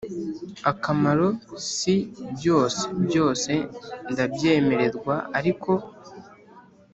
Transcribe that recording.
akamaro si byose Byose ndabyemererwa ariko